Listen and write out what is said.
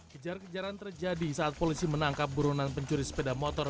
kejar kejaran terjadi saat polisi menangkap burunan pencuri sepeda motor